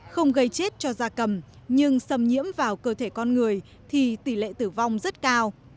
không gây chết cho da cầm nhưng xâm nhiễm vào cơ thể con người thì tỷ lệ tử vong rất cao